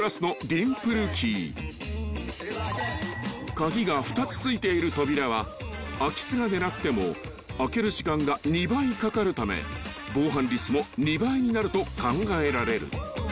［鍵が２つ付いている扉は空き巣が狙っても開ける時間が２倍かかるため防犯率も２倍になると考えられる］